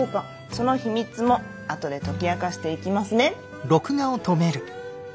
その秘密も後で解き明かしていきますね！